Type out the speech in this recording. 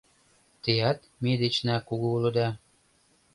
Теат ме дечна кугу улыда